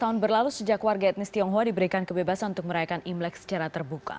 dua belas tahun berlalu sejak warga etnis tionghoa diberikan kebebasan untuk merayakan imlek secara terbuka